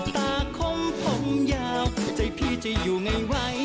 ตาคงผมยาวใจพี่จะอยู่ไงไหว